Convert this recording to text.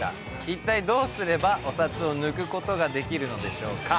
一体どうすればお札を抜くことができるのでしょうか？